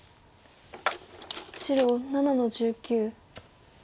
白７の十九。